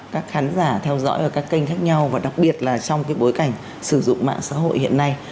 các khán giả theo dõi ở các kênh khác nhau và đặc biệt là trong cái bối cảnh sử dụng mạng xã hội hiện nay